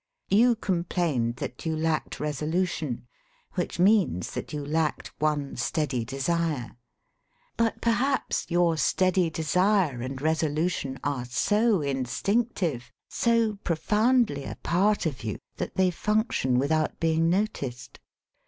You com plained that you lacked resolution, which means that you lacked one steady desire. But perhaps your steady desire and resolution are so instinc 61 SELF AND SELF MANAGEMENT tive, so profoundly a part of you, that they func tion without being noticed.